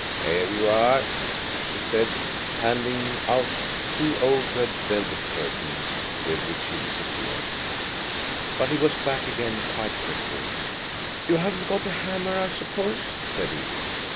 "Here you are," she said, handing out two old red velvet curtains, with which he disappeared. But he was back again quite quickly. "You haven't got a hammer, I suppose?" said he.